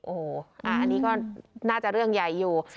โอ้โหอันนี้ก็น่าจะเรื่องใหญ่อยู่